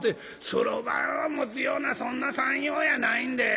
「そろばんを持つようなそんな算用やないんで」。